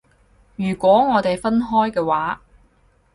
如果我哋分開嘅話